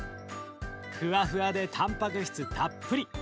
ふわふわでたんぱく質たっぷり。